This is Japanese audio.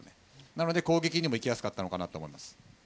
なので攻撃にも行きやすかったと思います。